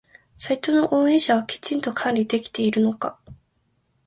サイトの運営者はきちんと管理できているのか？